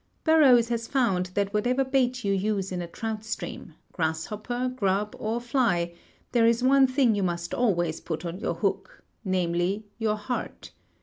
Burroughs has found that whatever bait you use in a trout stream, grasshopper, grub, or fly, there is one thing you must always put on your hook; namely, your heart.